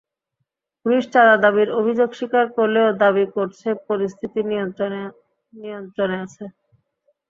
Police চাঁদা দাবির অভিযোগ স্বীকার করলেও দাবি করছে, পরিস্থিতি নিয়ন্ত্রণে আছে।